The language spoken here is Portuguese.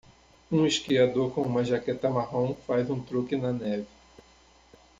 Um esquiador com uma jaqueta marrom faz um truque na neve.